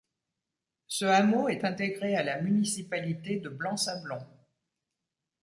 Ce hameau est intégré à la municipalité de Blanc-Sablon.